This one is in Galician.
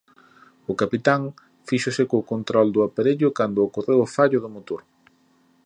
O capitán fíxose co control do aparello cando ocorreu o fallo do motor.